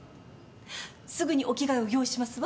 すぐにお着替えを用意しますわ。